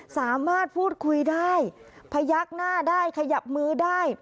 สามารถพูดคุยได้พยักหน้าได้ขยับมือได้